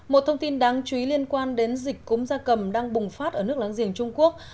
một thông tin đáng chú ý liên quan đến dịch cúm da cầm đang bùng phát ở nước láng giềng trung quốc